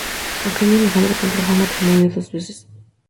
Eugenio Alejandro contrajo matrimonio dos veces.